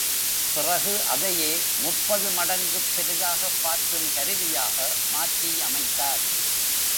பிறகு அதையே முப்பது மடங்குப் பெரிதாகப் பார்க்கும் கருவியாக மாற்றி அமைத்தார்.